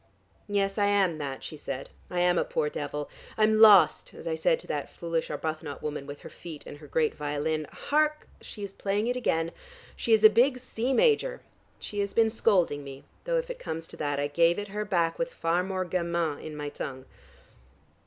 "Yes, I am that," she said. "I'm a poor devil. I'm lost, as I said to that foolish Arbuthnot woman with her feet and great violin. Hark, she is playing it again: she is a big 'C major'! She has been scolding me, though if it comes to that I gave it her back with far more gamin in my tongue.